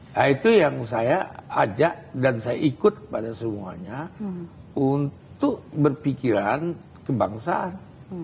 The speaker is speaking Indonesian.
nah itu yang saya ajak dan saya ikut kepada semuanya untuk berpikiran kebangsaan